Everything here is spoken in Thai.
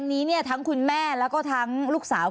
ไม่เกี่ยวอะไรกับคดีเนอะ